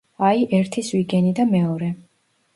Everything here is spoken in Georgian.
აი, ერთი ზვიგენი და მეორე.